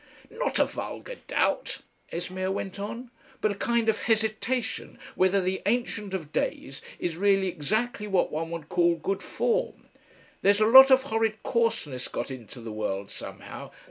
"Not a vulgar doubt," Esmeer went on, "but a kind of hesitation whether the Ancient of Days is really exactly what one would call good form.... There's a lot of horrid coarseness got into the world somehow.